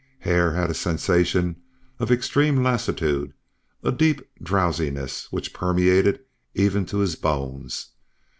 Hare had a sensation of extreme lassitude, a deep drowsiness which permeated even to his bones.